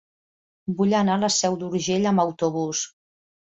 Vull anar a la Seu d'Urgell amb autobús.